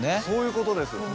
そういうことです